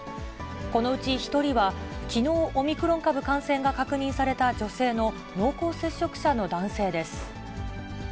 このうち１人は、きのうオミクロン株感染が確認された女性の濃厚接触者の男性です。